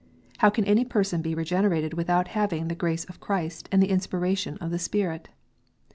How can any person be regenerated without having the "grace of Christ and the inspiration of the Spirit"?